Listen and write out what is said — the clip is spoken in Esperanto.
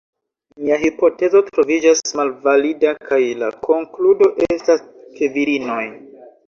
Mia hipotezo troviĝas malvalida kaj la konkludo estas ke virinoj